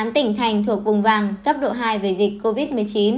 một mươi tám tỉnh thành thuộc vùng vàng cấp độ hai về dịch covid một mươi chín